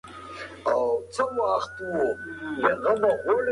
اولو په عادي سترګو نه لیدل کېږي.